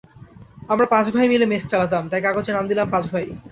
আমরা পাঁচ ভাই মিলে মেস চালাতাম, তাই কাগজে নাম দিলাম পাঁচভাই।